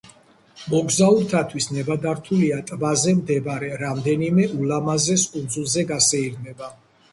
მოგზაურთათვის ნებადართულია ტბაზე მდებარე რამდენიმე ულამაზეს კუნძულზე გასეირნება.